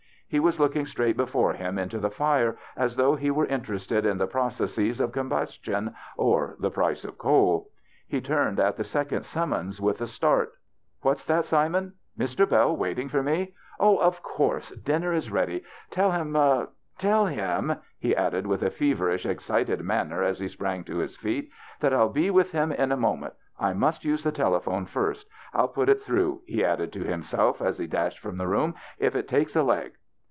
He was looking straight before liim into the fire, as though he were interested in the processes of combustion or the price of coal. He turned at the second summons with a start. "What's that, Simon? Mr. Bell waiting for me ? Oh, of course ; dinner is ready. Tell him— tell him," he added with a fever ish, excited manner as he sprang to his feet, ''that I'll be with him in a moment. I must use the telephone first. I'll put it through," he added to himself as he dashed from the room, " if it takes a leg."